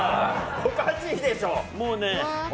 おかしいでしょ。